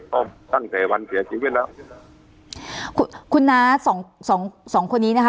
ก็ตั้งแต่วันเสียชีวิตแล้วคุณคุณน้าสองสองสองคนนี้นะคะ